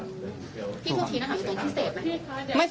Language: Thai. พี่เพิ่งชี้นะครับตัวที่เสพไหม